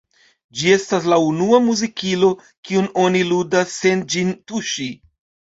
Ĝi estas la unua muzikilo, kiun oni ludas sen ĝin tuŝi.